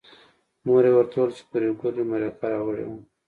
مور یې ورته وویل چې پري ګله مرکه راوړې وه